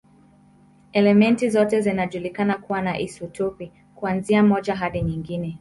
Elementi zote zinajulikana kuwa na isotopi, kuanzia moja hadi nyingi.